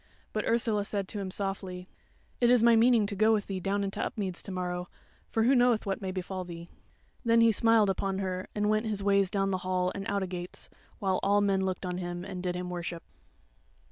But Ursula said to him softly: "It is my meaning to go with thee down into Upmeads to morrow; for who knoweth what may befall thee." Then he smiled upon her and went his ways down the hall and out a gates, while all men looked on him and did him worship.